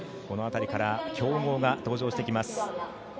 この辺りから強豪が登場してきます。